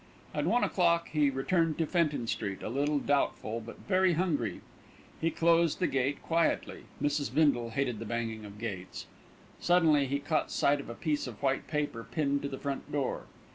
At one o'clock he returned to Fenton Street, a little doubtful; but very hungry. He closed the gate quietly, Mrs. Bindle hated the banging of gates. Suddenly he caught sight of a piece of white paper pinned to the front door.